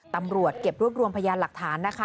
ตำรวจเก็บรวบรวมพยานหลักฐานนะคะ